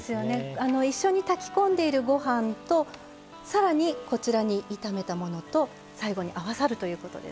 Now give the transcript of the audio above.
一緒に炊き込んでいるご飯とさらにこちらに炒めたものと最後に合わさるということですから。